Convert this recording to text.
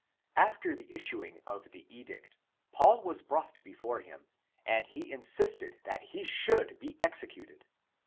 After the issuing of the edict, Paul was brought before him, and he insisted that he should be executed.